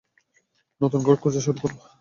নতুন ঘর খোঁজা শুরু করো।